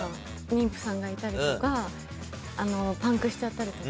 妊婦さんがいたりとかパンクしちゃったりとか。